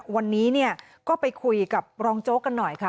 วันนี้เนี่ยก็ไปคุยกับรองโจ๊กกันหน่อยค่ะ